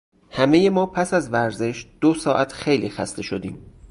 همهٔ ما پس از ورزش دو ساعت خیلی خسته شدیم.